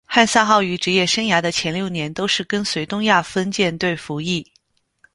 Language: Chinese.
汉萨号于职业生涯的前六年都是跟随东亚分舰队服役。